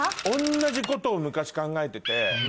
同じことを昔考えてて。